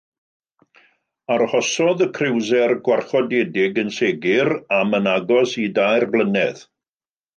Arhosodd y criwser gwarchodedig yn segur am yn agos i dair blynedd.